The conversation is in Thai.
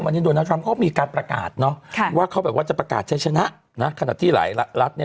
วันนี้โดนัททรัมป์เขามีการประกาศเนาะว่าเขาแบบว่าจะประกาศใช้ชนะนะขณะที่หลายรัฐเนี่ย